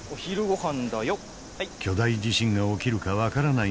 巨大地震が起きるか分からない